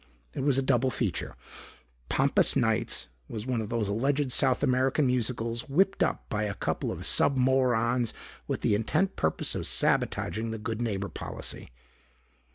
It was a double feature. Pampas Nights was one of those alleged South American musicals whipped up by a couple of submorons with the intent purpose of sabotaging the Good Neighbor policy.